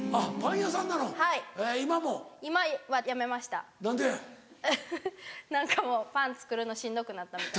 アハハ何かもうパン作るのしんどくなったみたい。